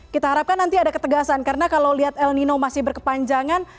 kita harapkan nanti ada ketegasan karena kalau lihat el nino masih berkepanjangan